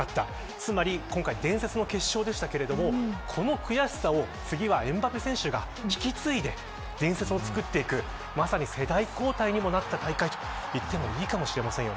つまり、今回伝説の決勝でしたけどこの悔しさを次はエムバペ選手が引き継いで伝説を作っていくまさに世代交代にもなった大会といってもいいかもしれません。